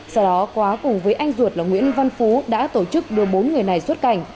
sau đó quá cùng với anh ruột là nguyễn văn phú đã tổ chức đưa bốn người này xuất cảnh